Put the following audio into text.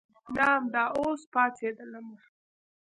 نه امدا اوس پاڅېدلمه.